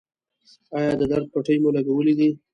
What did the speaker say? ایا د درد پټۍ مو لګولې ده؟